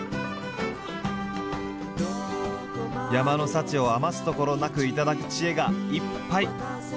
山の幸を余すところなく頂く知恵がいっぱい！